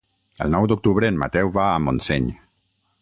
El nou d'octubre en Mateu va a Montseny.